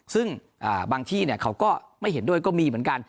ซึ่งบางที่เขาก็ไม่เห็นด้วยก็มีเหมือนกัน